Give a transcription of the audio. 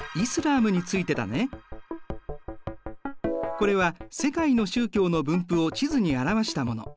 これは世界の宗教の分布を地図に表したもの。